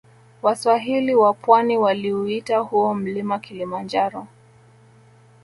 Waswahili wa pwani waliuita huo mlima kilimanjaro